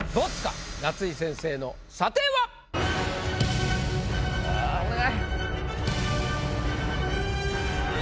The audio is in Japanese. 夏井先生の査定は⁉ああお願い。